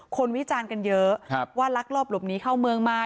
วิจารณ์กันเยอะว่าลักลอบหลบหนีเข้าเมืองมา